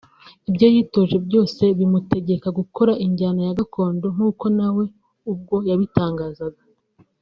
ibyo yitoje byose bimutegeka gukora injyana ya gakondo nk'uko nawe ubwo yabitangaje